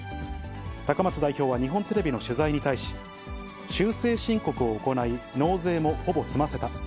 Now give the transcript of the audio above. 高松代表は日本テレビの取材に対し、修正申告を行い、納税もほぼ済ませた。